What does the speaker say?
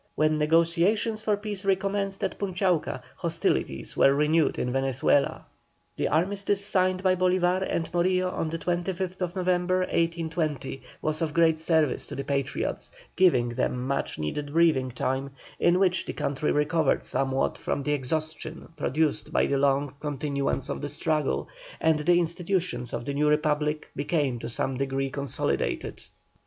When negotiations for peace recommenced as Punchauca, hostilities were renewed in Venezuela. The armistice signed by Bolívar and Morillo on the 25th November, 1820, was of great service to the Patriots, giving them much needed breathing time, in which the country recovered somewhat from the exhaustion produced by the long continuance of the struggle, and the institutions of the new Republic became to some degree consolidated.